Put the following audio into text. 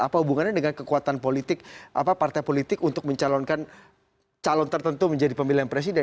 apa hubungannya dengan kekuatan politik partai politik untuk mencalonkan calon tertentu menjadi pemilihan presiden